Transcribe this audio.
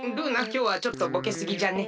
きょうはちょっとボケすぎじゃね。